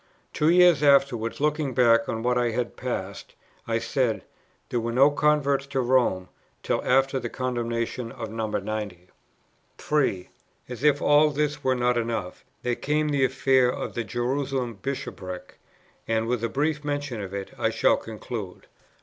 Two years afterwards, looking back on what had passed, I said, "There were no converts to Rome, till after the condemnation of No. 90." 3. As if all this were not enough, there came the affair of the Jerusalem Bishopric; and, with a brief mention of it, I shall conclude.